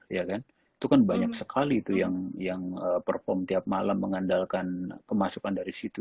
itu kan banyak sekali tuh yang perform tiap malam mengandalkan pemasukan dari situ